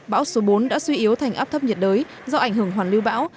bão số bốn đã suy yếu thành áp thấp nhiệt đới do ảnh hưởng hoàn lưu bão